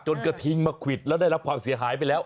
กระทิงมาควิดแล้วได้รับความเสียหายไปแล้ว